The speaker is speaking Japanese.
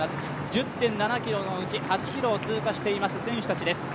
１０．７ｋｍのうち８ｋｍを通過している選手です。